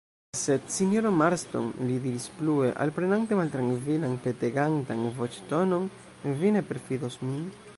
Sed, sinjoro Marston, li diris plue, alprenante maltrankvilan, petegantan voĉtonon, vi ne perfidos min?